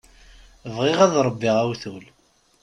Bɣiɣ ad ṛebbiɣ awtul.